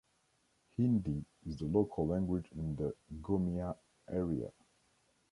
Hindi is the local language in the Gomia area.